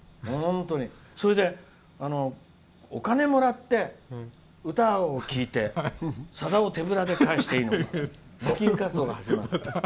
それでお金をもらって歌を聴いてさだを手ぶらで帰していいのか募金活動が始まって。